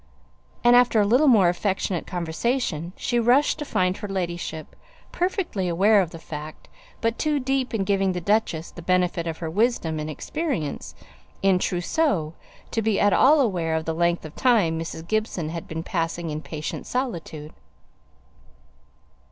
And, after a little more affectionate conversation, she rushed to find her ladyship, who was perfectly aware of the fact, but too deep in giving the duchess the benefit of her wisdom and experience in trousseaux to be at all aware of the length of time Mrs. Gibson had been passing in patient solitude.